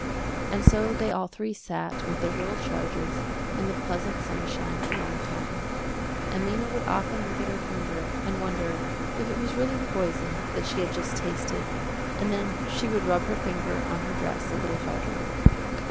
And so they all three sat with their little charges in the pleasant sunshine a long time. And Lena would often look at her finger and wonder if it was really poison that she had just tasted and then she would rub her finger on her dress a little harder.